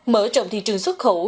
mở trọng thị trường xuất khẩu